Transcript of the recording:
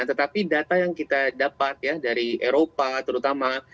tetapi data yang kita dapat ya dari eropa terutama